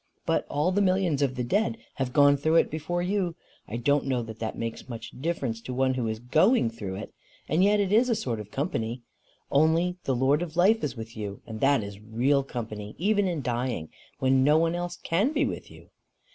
But all the millions of the dead have got through it before you. I don't know that that makes much difference to the one who is going through it. And yet it is a sort of company. Only, the Lord of Life is with you, and that is real company, even in dying, when no one else can be with you."